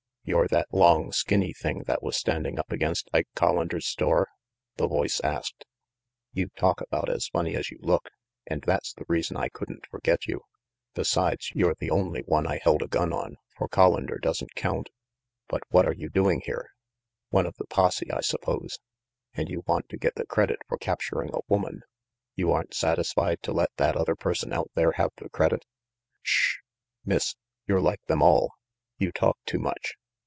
"You're that long, skinny thing that was standing up against Ike Collander's store?" the voice asked. 110 RANGY PETE "You talk about as funny as you look, and tha the reason I couldn't forget you. Besides, you're the only one I held a gun on, for (Hollander doesn't count. But what are you doing here? One of the posse, I suppose? And you want to get the credit for capturing a woman. You aren't satisfied to let that other person out there have the credit "Sh h! Miss, you're like them all. You talk too much.